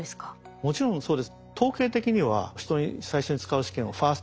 もちろんそうです。